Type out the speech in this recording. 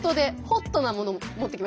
ホットなもの？